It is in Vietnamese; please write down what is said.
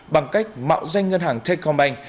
bằng cách mạo danh ngân hàng techcombank